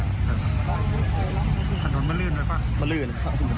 ถนนมันลื่นไหมป่ะมันลื่น